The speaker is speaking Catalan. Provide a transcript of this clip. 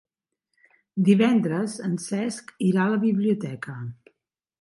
Divendres en Cesc irà a la biblioteca.